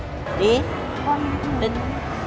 chú mời con chơi nào